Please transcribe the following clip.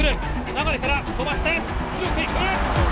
流から飛ばして広く行く！